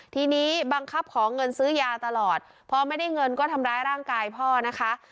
ทีนี้บังคับขอเงินซื้อยาตลอดพอไม่ได้เงินก็ทำร้ายร่างกายพ่อนะคะ